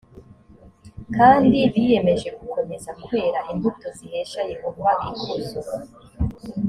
kandi biyemeje gukomeza kwera imbuto zihesha yehova ikuzo